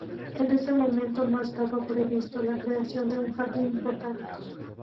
En ese momento no estaba previsto la creación de un jardín botánico.